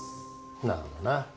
なるほどな。